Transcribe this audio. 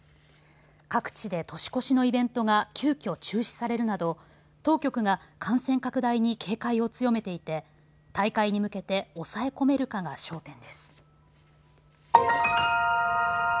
各地で年越しのイベントが急きょ中止されるなど当局が感染拡大に警戒を強めていて大会に向けて抑え込めるかが焦点です。